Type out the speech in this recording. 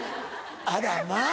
あらまぁ。